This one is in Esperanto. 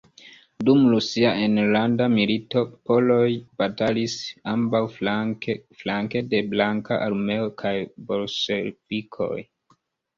Dum Rusia Enlanda milito poloj batalis ambaŭflanke, flanke de Blanka armeo kaj bolŝevikoj.